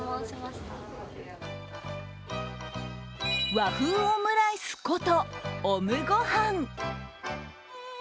和風オムライスこと、オムごはん。